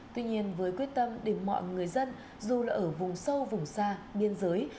tuy nhiên với quyết tâm để mọi người dân dù là ở vùng sâu vùng xa biên giới